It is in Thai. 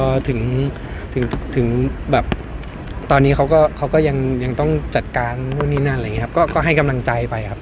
พอถึงถึงแบบตอนนี้เขาก็เขาก็ยังต้องจัดการนู่นนี่นั่นอะไรอย่างนี้ครับก็ให้กำลังใจไปครับ